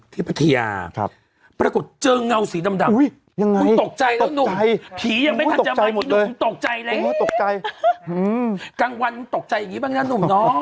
ที่ปฏิญาปรากฏเจิงเงาสีดำดำมึงตกใจแล้วนุ่มกางวันตกใจแบบงี้บ้างน้องน้อง